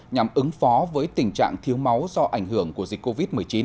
nhằm ứng phó với tình trạng thiếu máu do ảnh hưởng của dịch covid một mươi chín